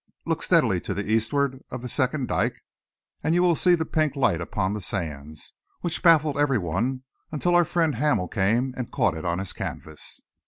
Look steadily to the eastward of that second dike and you will see the pink light upon the sands, which baffled every one until our friend Hamel came and caught it on his canvas."